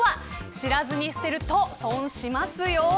知らずに捨てると損しますよ。